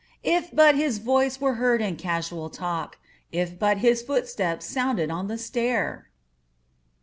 If but his voice were heard in casual talk. If but his footstep sounded on the stair!